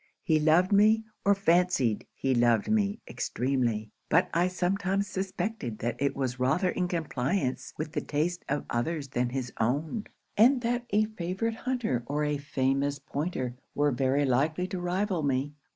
He loved me, or fancied he loved me, extremely; but I sometimes suspected that it was rather in compliance with the taste of others than his own; and that a favourite hunter or a famous pointer were very likely to rival me.